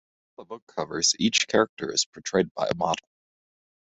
On the book covers, each character is portrayed by a model.